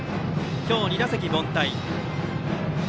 今日２打席凡退。